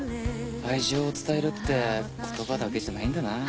愛情を伝えるって言葉だけじゃないんだな。